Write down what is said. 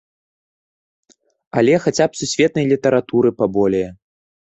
Але хаця б сусветнай літаратуры паболее.